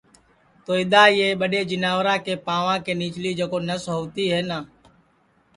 تو اِدؔا یہ ٻڈؔے جیناورا کے پاںؤا کے نیچلی جکو نس ہوتی ہے نہ